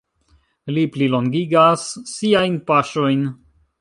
Li plilongigas siajn paŝojn.